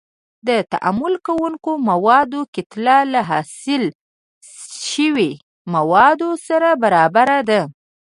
د تعامل کوونکو موادو کتله له حاصل شویو موادو سره برابره ده.